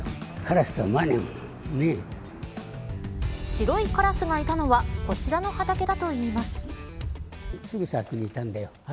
白いカラスがいたのはこちらの畑だといいます。